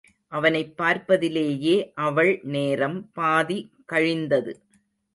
அவனைப் பார்ப்பதிலேயே அவள் நேரம் பாதி கழிந்தது.